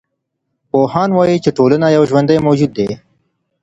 پوهان وايي چي ټولنه یو ژوندی موجود دی.